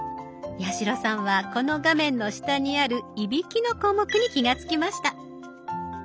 八代さんはこの画面の下にある「いびき」の項目に気が付きました。